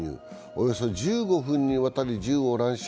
およそ１５分にわたり銃を乱射。